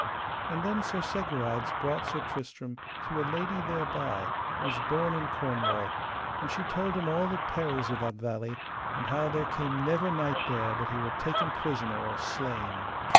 And then Sir Segwarides brought Sir Tristram to a lady thereby that was born in Cornwall, and she told him all the perils of that valley, and how there came never knight there but he were taken prisoner or slain.